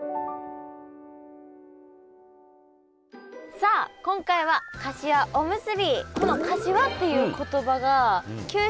さあ今回はかしわおむすび。